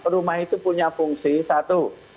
rumah itu punya fungsi satu